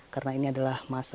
karena ini adalah